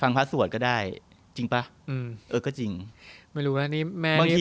ฟังพระสวดก็ได้จริงป่ะเออก็จริง